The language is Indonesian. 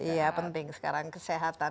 iya penting sekarang kesehatan